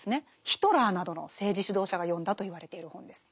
ヒトラーなどの政治指導者が読んだといわれている本です。